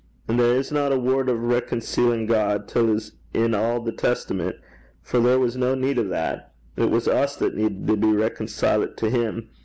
And there isna a word o' reconceelin' God till 's in a' the Testament, for there was no need o' that: it was us that he needed to be reconcilet to him.